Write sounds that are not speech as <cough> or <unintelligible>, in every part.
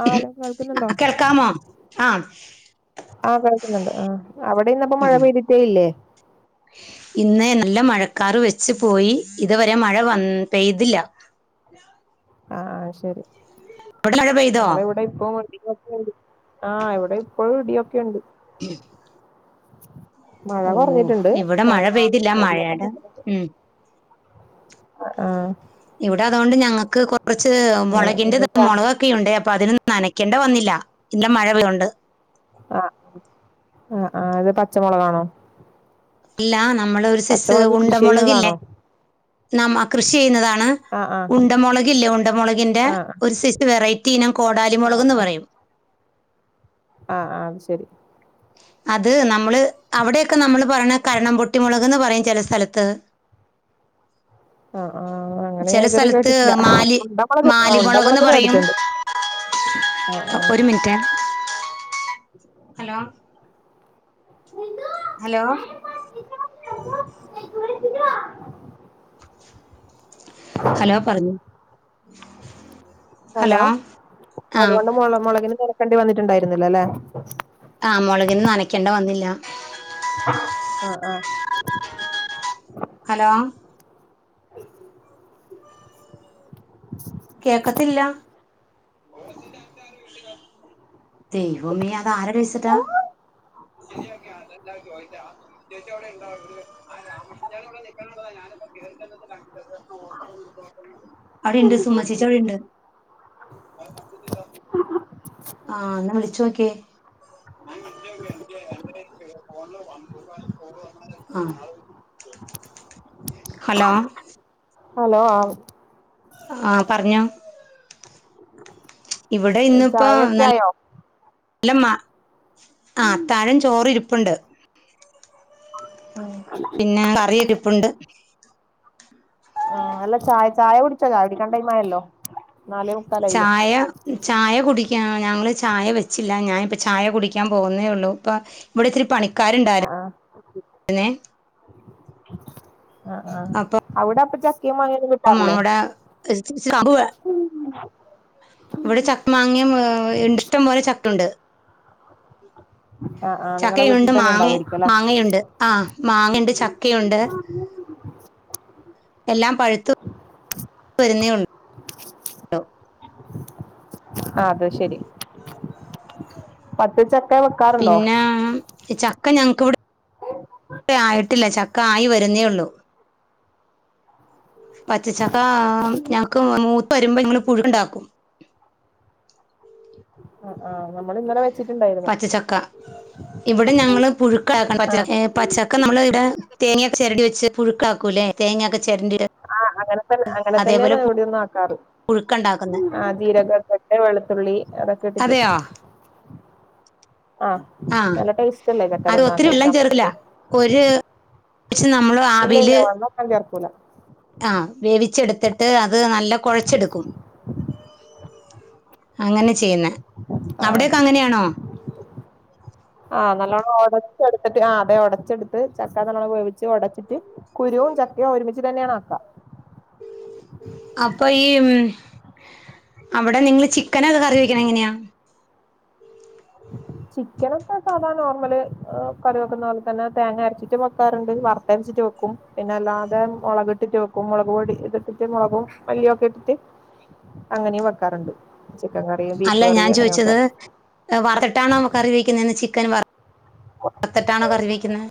ആ അലോ കേൾക്ക്ന്ന്ണ്ടോ കേൾക്കാമോ ആ ആ കേൾക്കുന്നുണ്ട് ആ അവടെ ന്നപ്പോ മഴ ഉം പെയ്ത്ട്ടേ ഇല്ലേ ഇന്ന് നല്ല മഴക്കാറ് വെച്ച് പോയി ഇതുവരെ മഴ വന്ന് പെയ്തില്ല ആ അത് ശെരി അവിടെ മഴ പെയ്തോ നമ്മളിവിടെ ഇപ്പോ <unintelligible> ടി ആ ഇവിടെ ഇപ്പോഴും ഇടിയൊക്കെണ്ട് ഉം മഴ കൊർഞ്ഞിട്ട്ണ്ട് ഇവിടെ മഴ പിന്ന പെയ്തില്ല ഇടിയൊക്കെ മഴയുടെ പൊട്ടുന്നുണ്ട് ഉം അ ആ ഇവിടെ അതോണ്ട് ഞങ്ങക്ക് കൊറച്ച് അങ്ങനെ പിന്നെ മൊളകിന്റെത് ച- മൊളക് ക്കെയുണ്ടേ അപ്പൊ അതിനൊന്നും നനക്കണ്ട വന്നില്ല ഇന്ന് മഴ പെയ്തൊണ്ട് ആ ആ ആ ത് പച്ചമൊളകാണോ അല്ല നമ്മളൊരു സെയ്‌സ്സ് പച്ചമുളക് ഉണ്ട കൃഷി മൊളകില്ലേ ചെയ്യുന്നതാണോ നമ്മ കൃഷി ചെയ്യ്ന്നതാണ് ആ ആ ഉണ്ട മൊളക്ല്ലേ ഉണ്ടമൊളകിന്റെ ആ ഒരു സെയ്സ്നം വെറൈറ്റി ഇനം കോടാലി മൊളക്ന്ന് പറയും ആ ആ അത് ശെരി അത് നമ്മള് അവിടെക്കെ നമ്മൾ പറയണ കരണം പൊട്ടിമുളക്ന്ന് പറയും ചെല സ്ഥലത്ത് <inaudible> ആ ആ അങ്ങനെ ഞാൻ ചില ഇതുവരെ സ്ഥലത്ത് കേട്ടിട്ടില്ല മാലി ഉണ്ടമുളക് മാലിമുളക് എന്ന് ആണ്ടമുളക് പറയും കേടിട്ടുണ്ട് ഒരു മിനിറ്റേ ഹലോ <unintelligible> ഹലോ <unintelligible> ഹലോ പറഞ്ഞു ഹലോ, ആ അതുകൊണ്ട് മുള മുളകിന് നിരക്കേണ്ടി വന്നിട്ടുണ്ടായിരുന്നില്ല അല്ലേ ആഹ മുളകിന്ന് നനക്കേണ്ട വന്നില്ല ആഹ ആഹ ഹലോ <inaudible> കേക്കത്തില്ല <inaudible> ദൈവമേ അത് ആരടെഴിച്ചട്ടാ <unintelligible> <inaudible> അവിടെണ്ട് സുമശിച്ച അവിടെണ്ട് ആഹ എന്നാ വിളി ചോക്ക്യാ <unintelligible> ഹലോ ഹലോ ആ ആ പറ്ഞ്ഞോ ഇവടെ ഇന്നിപ്പോ ചായയൊക്കെ നല്ല ആയോ ഇല്ലമ്മ ആ താഴം ചോറിരിപ്പുണ്ട്. ആ പിന്നെ കറിയിരിപ്പുണ്ട് ആ അല്ല ചായ ചായ കുടിച്ചോ? ചായ കുടിക്കാൻ ടൈ ആയല്ലോ ചായ ചായ കുടിക്കാ ഞങ്ങള് ചായ വെച്ചില്ല ഞാനിപ്പ ചായ കുടിക്കാൻ പോകുന്നേ ഉള്ളൂ ഇപ്പ ഇവടത്തിരിപ്പണിക്ക ആ ആഹ ആഹ അവിടെ അപ്പം ച ചക്ക, മാങ്ങ അപ്പം അവിടെ <unintelligible> ഇവിടെ ചക്ക മാങ്ങിയം ഇണ്ട ഇഷ്ടംപ പോലെ ചക്കയുണ്ട് ആഹ് ആഹ് നിങ്ങളെ വീട്ടിൽ ചക്കയുണ്ട് തന്നെ മാങ്ങ ഉണ്ടാവായിരിക്കും അല്ലെ മാങ്ങയുണ്ട് ആ മാങ്ങുണ്ട് ചക്കയുണ്ട് എല്ലാം പഴുത്ത് വരുന്നേള്ളു ആ അത് ശരി പച്ച ചക്ക വെക്കാറുണ്ടോ? ഈ ചക്ക ഞങ്ങക്ക് വിടെ ആയിട്ടില്ല ചക്ക ആയി വരുന്നേ ഉള്ളൂ. പച്ചച്ചക്ക ഞങ്ങൾക്ക് മൂത്ത് വരുമ്പോ ഞങ്ങൾ പുഴുക്ക്ണ്ടാക്കും. ആ നമ്മള് പച്ചച്ചക്ക ഇവടെ ഞങ്ങള് പുഴുക്ക ആഹ് <unintelligible> പച്ചക്കെ നമ്മൾ ഇവിടെ തേങ്ങയൊ ചരടി വെച്ച് പുഴുക്കാക്കൂല്ലേ തേങ്ങൊക്കെ ചിരണ്ടി ആഹ് അങ്ങനെ തന്നെ അങ്ങനെ തന്നെയ ഇവിടിം ന്ന് ആക്കാറ് പുഴുക്കുണ്ടാക്കുന്നത് ആഹ ജീരകക്കട്ട് വെളുത്തുള്ളി അതൊക്കെ ഇട്ടിട്ട് അതെയോ ആഹ് ആ നല്ല ടേസ്റ്റ് അല്ലേ ചക്ക തിന്നാൻ കഴിക്കാൻ വേണ്ടിട്ട് ഒര് മിച്ച് നമ്മള് ഇല്ല ഇല്ല വന്നൊക്കെ ചേർക്കൂല ആഹ് വേവിച്ചെടുത്തിട്ട് അത് നല്ല കുഴച്ചെടുക്കും അങ്ങനെ ചെയ്യുന്നെ ആഹ ആഹ് നല്ലോണം ഉടച്ചെടുത്തിട്ട് ആ് അതെ ഉടച്ചെടുത്ത് ചക്കാ നല്ലോണം വേവിച്ച് ഉടച്ചിട്ട് കുരുവും ചക്കയും ഒരുമിച്ച് തന്നെയാണ് ആക്ക അപ്പൊ ഈ ഉം അവിടെ നിങ്ങള് ചിക്കനൊക്കെ കറി വെക്കണ എങ്ങനെയാ ചിക്കനൊക്കെ സാധാ നോർമല് കറി വെക്കുന്ന പോലെ തന്നെ തേങ്ങ അരച്ചിട്ട് വെക്കാറുണ്ട് വറുത്ത് അരച്ചിട്ട് വക്കും പിന്നെ അല്ലാതെ മുളകിട്ടിട്ട് വെക്കും മുളക് പൊടി ഇത് ഇട്ടിട്ട് മുളകും മല്ലി ഒക്കെ ഇട്ടിട്ട് അങ്ങനെയും വെക്കാറുണ്ട് ചിക്കൻ കറിയും ബീഫ് അല്ല ഞാൻ കറിയും അങ്ങനെയൊക്കെ ചോദിച്ചത് വറുത്തിട്ടാണോ കറി വെക്കുന്നത് ന്ന് ചിക്കൻ വറുത്തിട്ടാണോ കറി വെക്കുന്നത്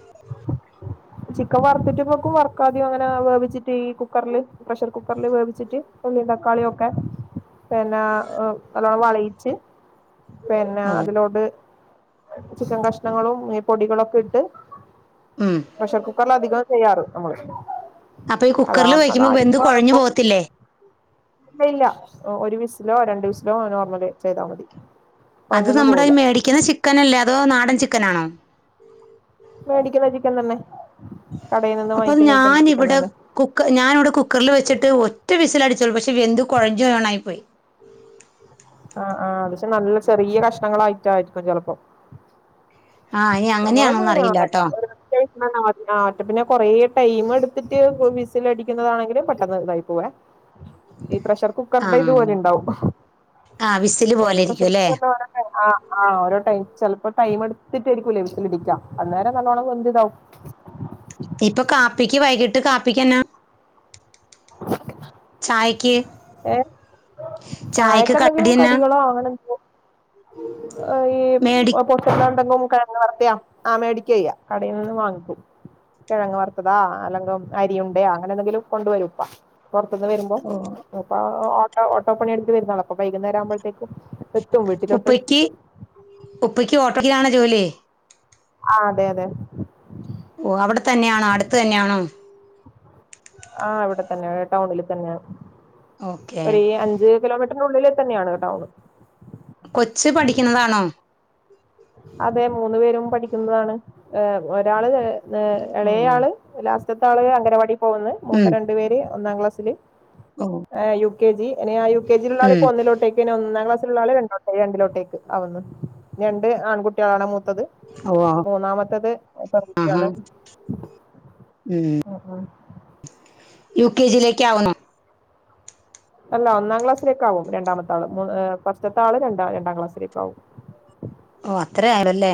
ചിക്കൻ വറത്തിട്ടും വെക്കും വറക്കാതേം അങ്ങനെ വേവിച്ചിട്ട് ചെയിക്കും കുക്കറിൽ പ്രഷർ കുക്കറില് വേവിച്ചിട്ട് ഉള്ളിയിം തക്കാളിയൊക്കെ പിന്നെ നല്ലോം വളയിച്ച് പിന്നെ ഓ അതിലോട്ട് ചിക്കൻ കഷ്ണങ്ങളും ഈ പൊടികളൊക്കെ ഇട്ട് ഉം പ്രഷർ കുക്കറിൽ അധികം ചെയ്യാറ് നമ്മള് അപ്പൊ ഈ അതാ കുക്കറിൽ വയ്ക്കുമ്പോ വെന്തു അതായിരിക്കും കുഴഞ്ഞു എളുപ്പം പോകത്തില്ലേ ഇല്ല ഇല്ല ഒരു വിസിലോ രണ്ടു വിസിലോ നോർമല് ചെയ്താൽ മതി അത് കുഴഞ്ഞൊന്നും നമ്മുടെ പോകൂല മേടിക്കുന്ന ചിക്കൻ അല്ലേ അതോ നാടൻ ചിക്കനാണോ മേടിക്കുന്ന ചിക്കൻ തന്നെ കടയിൽ നിന്ന് വാങ്ങിക്കുന്നചിക്കൻ തന്നെ കുക്കർ ഞാാനിവിടെ കുക്കറിൽ വച്ചിട്ട് ഒറ്റ വിസിലടിച്ചോളൂ പക്ഷെ വെന്ത് കുഴഞ്ഞോണായി പോയി ആഹ ആഹ് അത് പക്ഷെ നല്ല ചെറിയ കഷ്ണങ്ങളായിട്ടായിരിക്കും ചിലപ്പോ ആ ഇനി നമ്മളൊന്നും അങ്ങനെയാണോന്ന് അങ്ങനെ അറിയില്ല കേട്ടോ ആകലില്ല ആഹ് ഒറ്റ പിന്നെ കൊറേ ടൈം എടുത്തിട്ട് വിസിൽ അടിക്കുന്നതാണെങ്കിലും പെട്ടെന്ന് ഇതായി പോവേ ഈ പ്രഷർ ആ കുക്കറ്ടെ ഇതുപോലെ ഇണ്ടാവും ആ വിസില് പോലെ ഓരോ ഇരിക്കും പ്രഷർ അല്ലേ കുക്കറി ആഹ് ആഹ് ഓരോ ടൈം ചിലപ്പോ ടൈം എടുത്തിട്ടായിരിക്കും ലേ വിസിൽ അടിക്ക അന്നേരം നല്ലോണം വെന്തു ഇതാവും ഇപ്പൊ കാപ്പിക്ക് വൈകിട്ട് കാപ്പിക്ക് എന്നാ ചായക്ക് ഏഹ് ചായക്ക് ചായക്കെന്തിലും കടി എന്നാ കടികളോ അങ്ങനെ ആഹ് ഈ മേടി ല്ലാം ഉണ്ടെങ്കോ കിഴങ്ങ് വറുത്തെയാ ആഹ് മേടിക്കെയ്യ കടയിൽ നിന്ന് വാങ്ങിക്കും കിഴങ്ങ് വറുത്തതാ അല്ലെങ്ക അരിയ ഉണ്ടയാ അങ്ങനെ എന്തെങ്കിലും കൊണ്ട് വരും ഉപ്പ പൊറത്തുന്ന് വരുമ്പോ ഓ ഉപ്പ ഓട്ടോ ഓട്ടോ പണി എടുത്ത് വരുന്നാളാ അപ്പൊ വൈകുന്നേരം ആവ്പോഴത്തേക്കും ഉപ്പക്ക് ഉപ്പയ്ക്ക് ഓട്ടോഓടിക്കലാണോ ജോലി ആഹ് അതെ അതെ ഓഹ് അവിടെ തന്നെയാണോ അടുത്ത് തന്നെയാണോ ആഹ് ഇവിടെ തന്നെ ടൗണിൽ തന്നെയ ഓക്കെ ഒരു അഞ്ച് കിലോമീറ്റർ ഉള്ളില് തന്നെയാണ് ടൗണ് കൊച്ച് പഠിക്കുന്നതാണോ അതെ മൂന്നു പേരും പഠിക്കുന്നതാണ് ഏർ ഒരാള് ഏഹ്‌ ഓ ഇളേ ആള് ലാസ്റ്റത്തെ ആള് അംഗനവാടി പോകുന്ന് ഉം മൂത്ത രണ്ടു പേര് ഒന്നാം ക്ലാസ്സില് ഓ ആഹ് യു കെ ജി ഇനി ആ യു കെ ജി ല് ഉള്ള ആള് ഉം ഇപ്പൊ ഒന്നിലോട്ടേക്ക് പിന്നെ ഒന്നാം ക്ലാസ്സിൽ ഉള്ള ആള് രണ്ടോട്ടേ രണ്ടിലോട്ടേക്ക് ആവ്ന്ന് ആൺകുട്ടികളാണ് മൂത്തത് ഓ മൂന്നാമത്തത് ആഹാ പെൺകുട്ടിയാണ് ഉം ഉം യു കെ ജിലേക്ക് ആവ്ന്നു അല്ല ഒന്നാം ക്ലാസ്സിലേക്ക് ആവും രണ്ടാമത്ത ആള് ഫസ്റ്റ്ത്തെ ആള് ര രണ്ടാം ക്ലാസ്സിലേക്ക് ആകും ഓഹ്‌ അത്രേ ആണല്ലേ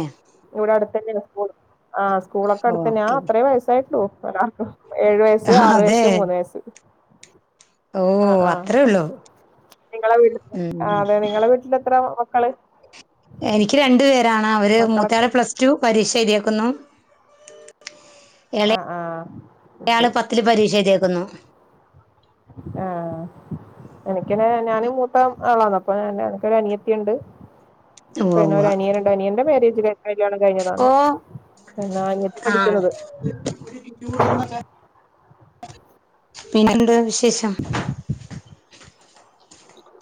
ഇവിടെ അടുത്തന്നെയാ സ്കൂൾ ആഹ്‌ സ്കൂളൊക്കെ അടുത്തെന്നെയ ഓക്കെ ആഹ്‌ ഇത്രേ വയസ്സായിട്ടുള്ളു ഏഴു വയസ്സ് ആറു അതെ വയസ്സ് മൂന്ന് വയസ്സ് ഓ ആ ആ അത്രേ ഉള്ളു നിങ്ങളെ വീട്ട ആ അതെ നിങ്ങള വീട്ടില് എത്ര മക്കള് എനിക്ക് രണ്ടു പേരാണ് അവര് മക്കളൊക്കെ മൂത്തയാള് പ്ലസ് ടു പരിശരിക്കുന്നു എള ആഹ് ആഹ് അയാള് ശരി പത്തില് പരീക്ഷ എ്തേക്കുന്നു ആഹ് എനിക്കന ഞാനും മൂട്ട ആളാന്ന അപ്പൊ എനക്ക് അനിയത്തിയ ഉണ്ട് ഉവ്വ പിന്നെ ഉവ്വ ഒരു അനിയനുണ്ട് അനിയന്റെ മാര്യേജില കല്യാണം കഴിഞ്ഞതാണ് ഓ എന്ന അഞ്ഞത്തി പഠിക്കുന്നത് പിന്നെണ്ട് വിശേഷം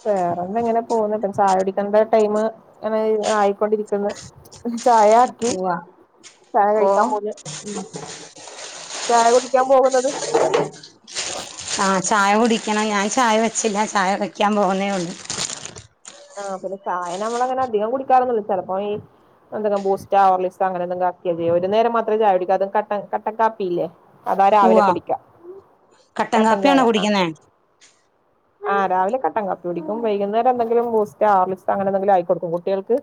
വേറെന്ത എങ്ങനെ പോകുന്നു ചായോടിക്കണ്ട ടൈം അങ്ങനെ ആയി ണ്ടിരിക്കുന്നു ചായ ആക്കി ഉവ്വ ചായ ഓ കഴിക്കാൻ പോന്ന് ഉ ചായ കുടിക്കാൻ പോകുന്നത് ആ ചായ കുടിക്കണം ഞാൻ ചായ വെച്ചില്ല ചായ വയ്ക്കാൻ പോകുന്നേള്ളൂ ആഹ് പിന്നെ സഹായ നമ്മള അങ്ങനെ അധികം കുടിക്കാറന്നുള്ളൂ ചിലപ്പോ ഈ എന്തെങ്കും ബൂസ്റ്റ്ർലിസ് അങ്ങനെ എന്തൊ ചെയ്യ ഒരു നേരം മാത്രേ ചവിടിക്കും കട്ടക്കപ്പില്ലേ അതാ രാവിലെ ഉവ്വ കുടിക്ക കട്ടൻ കാപ്പിയാണോ ചായ ആഹ് കുടിക്കുന്നേ ആഹ് രാവിലെ കട്ടാ കപ്പി കുടിക്കും വൈകുന്നേര എന്തെങ്കിലും അങ്ങനെ എന്തെങ്കിലും ആയിക്കൊടുക്കും കുട്ടികൾക്ക്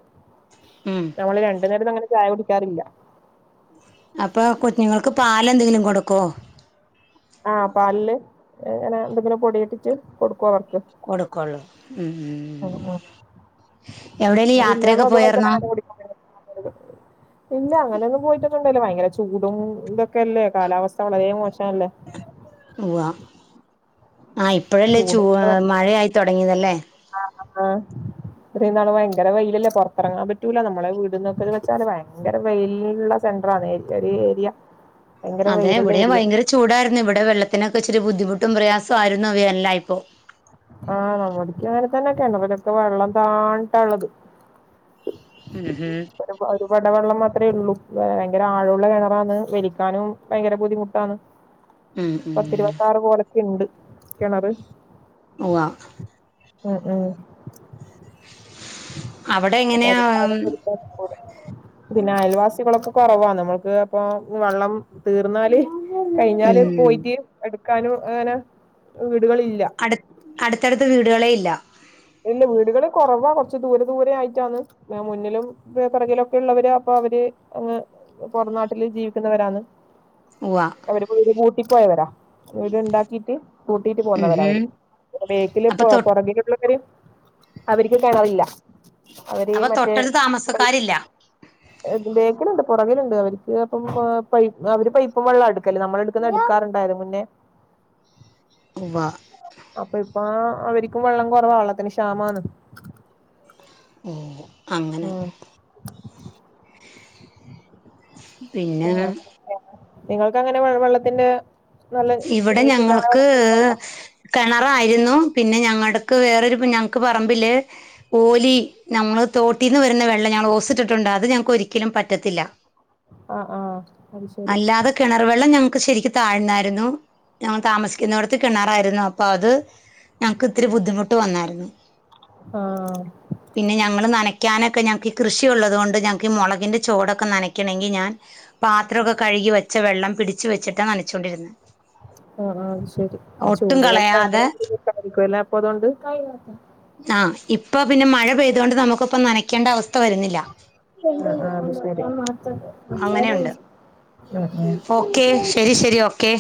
ഉം നമ്മള് രണ്ടു നേരം അങ്ങനെ ചായ കുടിക്കാറില്ല അപ്പൊ കുഞ്ഞുങ്ങൾക്ക് പാല എന്തെങ്കിലും കൊടുക്കോ ആഹ് പാല് ല് അങ്ങനെ എന്തെങ്കിലും പൊടി ഇട്ടിട്ട് കൊടുക്കും ർക്ക് കൊടുക്കള്ളു ഉം ഉം ഉം എവിടെല് വല്യാളും യാത്രയൊക്കെ അതുപോലെ തന്നെ പോയർന്നോ അങ്ങനെ കുടിക്കും ഇല്ല അങ്ങനെയൊന്നും പോയിട്ടൊന്നണ്ടല്ലോ ഭയങ്കര ചൂടും ഇതൊക്കെ ക്കല്ലേ കാലാവസ്ഥ വളരേ മോശംല്ലേ ആഹ് ഇപ്പഴല്ലേ ചൂ ചൂടും മഴയായിത്തൊടങ്ങിയതല്ലേ ആഹ് ഇത്രന്നള് ഭയങ്കര വെയിലല്ലേ പുറത്തിറങ്ങാൻ പറ്റൂല നമ്മുടെ വീടന്നൊക്കെത് വെച്ചാല് ഭയങ്കര വെയിലുള്ള സെന്ററാണെ ഒരു ഏരിയ ഭയങ്കര അതെ വെയിലുള്ള ഇവിടെ ഏരിയ ഭയങ്കര ചൂടായിരുന്നു ഇവിടെ വെള്ളത്തിനൊക്കെ ഇച്ചിരി ബുദ്ധിമുട്ടും പ്രയാസമായിയിരുന്നു അവ അല്ല ഇപ്പോൊ ആഹ് നമ്മടക്ക് അങ്ങനെ തന്നെ ഒക്കെ ഉണ്ട അലൊക്കെ വെള്ളം താണിട്ട ഉള്ളത് ഉം ഹും ഒരുപടവെള്ളം മാത്രമേ ഉള്ളൂ ഭയങ്കര ആഴുള്ള കിണറാന്ന് വലിക്കാനും ഭയങ്കര ബുദ്ധിമുട്ടാണ് ഉം ഉം പത്തിരുപത്താറ് പോലക്കുണ്ട് കിണറ് ഉവ്വാ ഉം ഉം അവിടെ എങ്ങനെയാ പരിപാരം കൊടുത്തും കൂട <unintelligible> പിന്നെ അയൽവാസികളൊക്കെ കുറവാണ് നമ്മൾക്ക്.. പ്പൊ.. വെള്ളം തീർന്നാല്.. കഴിഞ്ഞാല് ഉം പോയിട്ട് എടുക്കാനും അങ്ങനെ വീടുകളില്ല അടു അടുത്തടുത്ത വീടുകളെ ഇല്ല ഇല്ല വീടുകള് കുറവാ കുറച്ച് ദൂരെ ദൂരെ ആയിട്ടാണ് പിന്നെ മുന്നിലും വിടെ പുറകിലൊക്കെ ഉള്ളവര് അപ്പൊ അവര് അങ്ങ് പുറം നാട്ടില് ജീവിക്കുന്നവരാണ് ഉവ്വാ അവര് വീട് കൂട്ടി പോയവര വീട്ണ്ടാക്കിട്ട് കൂട്ടിട്ട് ഉം പോന്നവര ഹും അവര് ബാക്കിൽ അപ്പൊ പ്പൊ തൊ പുറകില് അവർക്ക് കിണറില്ല അവര് അപ്പൊ മറ്റേ തൊട്ടടുത്ത് താമസക്കാരില്ല ബാക്കിലുണ്ട് പുറകിലുണ്ട് അവർക്ക് അപ്പം അവര് പൈപ്പും വെള്ളാണ് എടുക്കൽ നമ്മളടു എടുക്കാറുണ്ടായിരുന്നു മുന്നേ ഉവ്വാ അപ്പൊ ഇപ്പ അവരിക്കും വെള്ളം കുറവാ വെള്ളത്തിന് ക്ഷാമമാണ് ഓ അങ്ങനെ ഉം പിന്നെ ആഹ് നിങ്ങൾക്ക് അങ്ങനെ വെള്ളത്തിന്റെ നല്ല ഇവിടെ ശുദ്ധമായ ഞങ്ങൾക്ക്... വെള്ളം കിണറായിരുന്നു പിന്നെ ഞങ്ങടക്ക് വേറൊരു ഞങ്ങക്ക് പറമ്പില് ഓലി നമ്മൾ തോട്ടീന്ന് വരുന്ന വെള്ളം ഞങ്ങൾ ഓസിട്ടിട്ടുണ്ട് അത് ഞങ്ങൾക്ക് ഒരിക്കലും പറ്റത്തില്ല ആഹ് ആഹ് അത് ശരി അല്ലാതെ കിണർ വെള്ളം ഞങ്ങൾക്ക് ശെരിക്ക് താഴ്ന്നായിരുന്നു ഞങ്ങൾ താമസിക്കുന്ന ഇടത്ത് കിണാറായിരുന്നു അപ്പൊ അത് ഞങ്ങക്ക് ഇത്തിരി ബുദ്ധിമുട്ട് വന്നായിരുന്നു ആഹ് പിന്നെ ഞങ്ങള് നനയ്ക്കാനൊക്കെ ഞങ്ങൾക്ക് കൃഷിയുള്ളത് കൊണ്ട് ഞങ്ങക്ക് ഈ മുളകിന്റെ ചോടൊക്കെ നനക്കണമെങ്കിൽ ഞാൻ പാത്രമൊക്കെ കഴുകി വെച്ച വെള്ളം പിടിച്ച് വെച്ചിട്ടാണ് നനച്ചുകൊണ്ടിരുന്നത് ആഹ് ആഹ് അത് ശെരി ഒട്ടും ചൂട് കാലത്ത് ഭയങ്കര കളയാതെ ബുദ്ധിമുട്ടായിരിക്കും അല്ലെ അപ്പൊ അതുകൊണ്ട് ആഹ് ഇപ്പൊ പിന്നെ മഴ പെയ്തുകൊണ്ട് നമുക്കിപ്പ നനക്കേണ്ട അവസ്ഥ വരുന്നില്ല ആഹ് ആഹ് അത് ശെരി... അങ്ങനെയുണ്ട് <unintelligible> ആഹ് ഓക്കെ ആഹ് ശരി ശരി ഓക്കെ